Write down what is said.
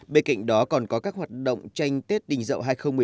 bên cạnh đó còn có các hoạt động tranh tết đình dậu hai nghìn một mươi chín